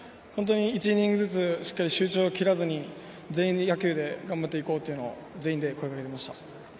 １イニングずつ集中を切らずに全員野球で頑張っていこうというのを全員で声をかけていました。